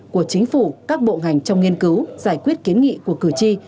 của chính phủ các bộ ngành trong nghiên cứu giải quyết kiến nghị của cử tri